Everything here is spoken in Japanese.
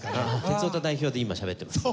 鉄オタ代表で今しゃべってます。